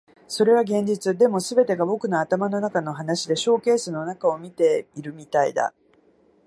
それは現実。でも、全てが僕の頭の中の話でショーケースの中を見ているみたいだ。